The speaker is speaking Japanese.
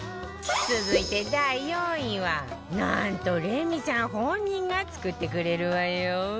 続いて第４位はなんとレミさん本人が作ってくれるわよ